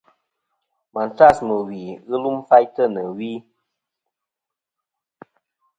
Màtlas mɨ̀ wì ghɨ lum faytɨ nɨ̀ wi.